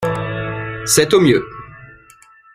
C’est au mieux !